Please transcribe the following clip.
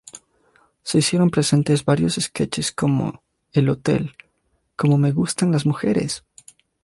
Se hicieron presentes varios sketches como: "El Hotel", "¡Cómo me gustan las mujeres!